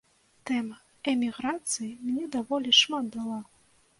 Тэма эміграцыі мне даволі шмат дала.